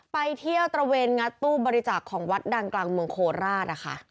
ไปเที่ยวตระเวนงัดตู้บริจาคของวัดดังกลางเมืองโคราชนะคะ